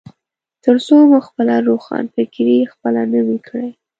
ترڅو مو خپله روښانفکري خپله نه وي کړي.